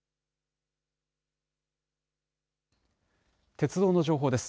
鉄道の情報です。